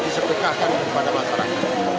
disetegahkan kepada masyarakat